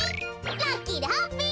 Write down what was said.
ラッキーでハッピー！